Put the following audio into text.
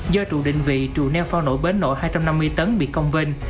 do trụ định vị trụ neo phao nổ bến nổ hai trăm năm mươi tấn bị công vên